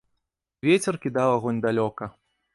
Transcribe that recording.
Вецер кідаў агонь далёка.